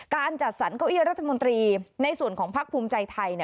การจัดสรรเก้าอี้รัฐมนตรีในส่วนของพักภูมิใจไทย